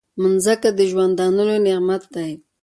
مځکه د ژوندانه لوی نعمت دی.